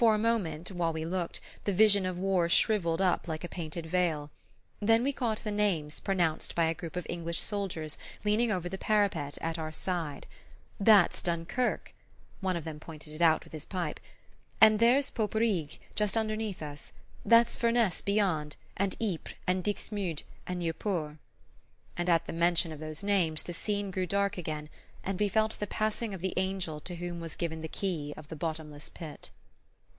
For a moment, while we looked, the vision of war shrivelled up like a painted veil; then we caught the names pronounced by a group of English soldiers leaning over the parapet at our side. "That's Dunkerque" one of them pointed it out with his pipe "and there's Poperinghe, just under us; that's Furnes beyond, and Ypres and Dixmude, and Nieuport..." And at the mention of those names the scene grew dark again, and we felt the passing of the Angel to whom was given the Key of the Bottomless Pit.